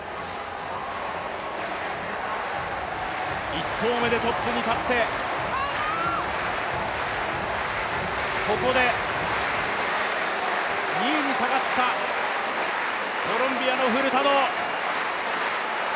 １投目でトップに立って、ここで２位に下がったコロンビアのフルタド。